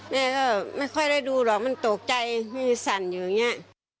แม่ก็ไม่ค่อยได้ดูหรอกมันตกใจไม่ได้สั่นอยู่อย่างนี้